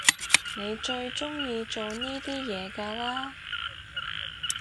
你最中意做呢啲嘢㗎啦？